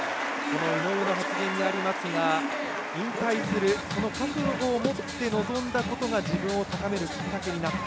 この井上でありますが引退する覚悟を持って臨んだことで自分を高めるきっかけとなった。